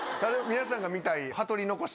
皆さんが見たい。